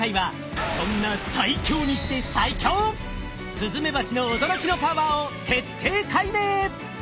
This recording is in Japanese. スズメバチの驚きのパワーを徹底解明！